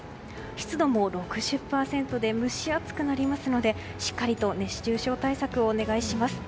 湿度も６０％で蒸し暑くなりますのでしっかりと熱中症対策をお願いします。